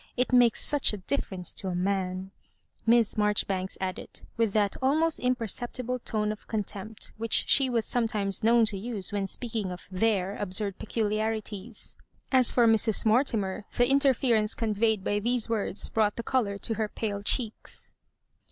It makes such a difference to a man," Miss Marjoribanks added, with that al most imperceptible tone of contempt which she was sometimes known to use when speaking of Their absurd peculiarities. As for Mrs. Mortimer, the inference conveyed by these words broug^ht the colour to her pale cheeks.